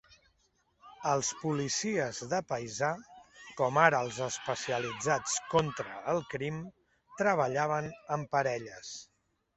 Els policies de paisà, com ara els especialitzats contra el crim, treballaven en parelles.